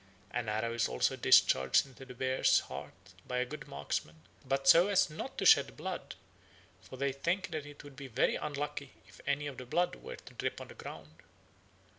An arrow is also discharged into the beast's heart by a good marksman, but so as not to shed blood, for they think that it would be very unlucky if any of the blood were to drip on the ground.